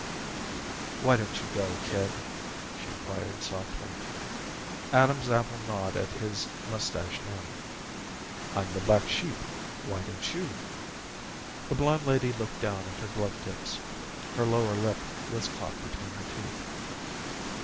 "Why don't you go, kid?" she inquired, softly. Adam's Apple gnawed at his mustache end. "I'm the black sheep. Why don't you?" The blonde lady looked down at her glove tips. Her lower lip was caught between her teeth.